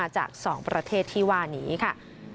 จาก๒ประเทศที่ว่านี้ค่ะ